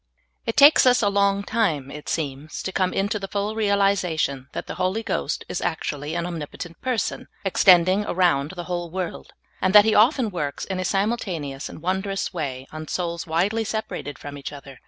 IT takes us a long time, it seems, to come into the full realization that the Holy Ghost is actually an Omnipotent person, extending around the whole world, and that He often works in a simultaneous and won drous way on souls widely separated from each other.